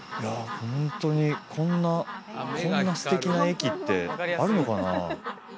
ホントにこんなこんな素敵な駅ってあるのかな？